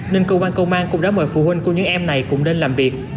nên công an công an cũng đã mời phụ huynh của những em này cũng nên làm việc